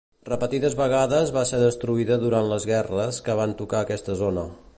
Repetides vegades va ser destruïda durant les guerres que van tocar aquesta zona.